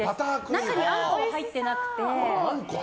中にあんこは入ってなくて。